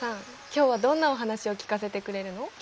今日はどんなお話を聞かせてくれるの？